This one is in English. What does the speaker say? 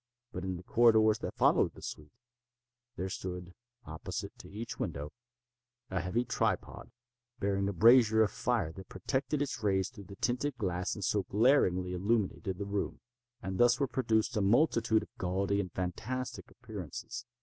But in the corridors that followed the suite, there stood, opposite to each window, a heavy tripod, bearing a brazier of fire that projected its rays through the tinted glass and so glaringly illumined the room. And thus were produced a multitude of gaudy and fantastic appearances.